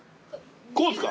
こうですか？